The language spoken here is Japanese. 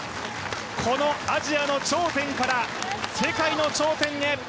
このアジアの頂点から世界の頂点へ。